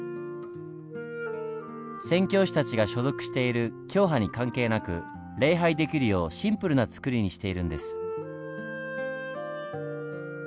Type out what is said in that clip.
宣教師たちが所属している教派に関係なく礼拝できるようシンプルな造りにしているんです。